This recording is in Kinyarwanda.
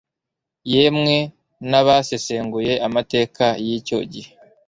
yemwe n'abasesenguye amateka y'icyo gihe